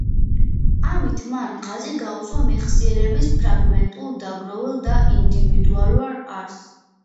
ამით მან ხაზი გაუსვა მეხსიერების ფრაგმენტულ, დაგროვილ და ინდივიდუალურ არსს.